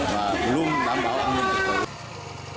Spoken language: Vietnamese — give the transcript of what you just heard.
và luôn đảm bảo an ninh trật tự